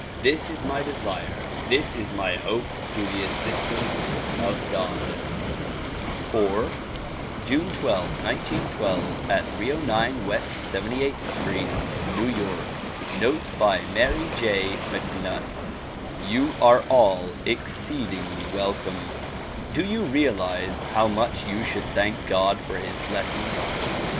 This is my desire; this is my hope through the assistance of God. IV June 12, 1912, at 309 West 78th Street, New York. Notes by Mary J. MacNutt YOU are all exceedingly welcome. Do you realize how much you should thank God for his blessings